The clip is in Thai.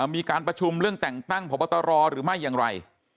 มีการประชุมเรื่องแต่งตั้งพบตรหรือไม่อย่างไร